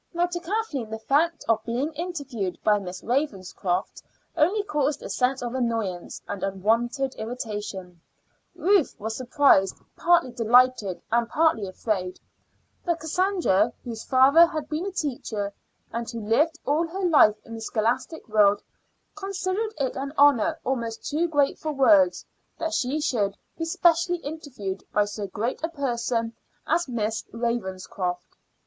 Now to Kathleen the fact of being interviewed by Miss Ravenscroft only caused a sense of annoyance, and unwonted irritation; Ruth was surprised, partly delighted and partly afraid; but Cassandra, whose father had been a teacher, and who lived all her life in the scholastic world, considered it an honor almost too great for words that she should be specially interviewed by so great a person as Miss Ravenscroft.